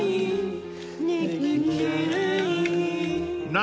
［何？